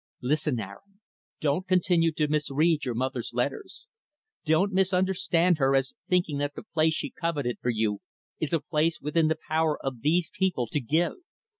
Listen, Aaron, don't continue to misread your mother's letters. Don't misunderstand her as thinking that the place she coveted for you is a place within the power of these people to give.